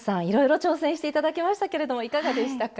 いろいろ挑戦して頂きましたけれどもいかがでしたか？